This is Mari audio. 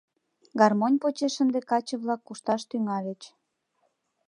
Гармонь почеш ынде каче-влак кушташ тӱҥальыч.